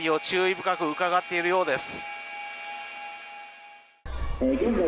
深くうかがっているようです。